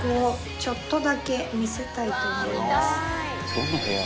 「どんな部屋？」